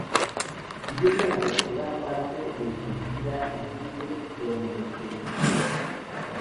Vivió durante gran parte de su vida en Tigre, donde se inspiró.